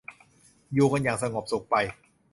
อยู่กันอย่างสงบสุขไป